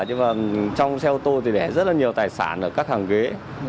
nhưng mà trong xe ô tô thì để rất là nhiều tài sản ở các hàng ghế